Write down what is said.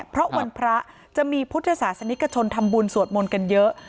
เพราะวันพระจะมีพุทธศาสนิกชนทำบุญสวดมนต์กันเยอะ